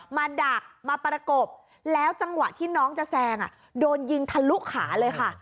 ดักมาประกบแล้วจังหวะที่น้องจะแซงโดนยิงทะลุขาเลยค่ะ